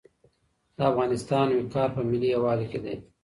د افغانستان وقار په ملي یووالي کي دی.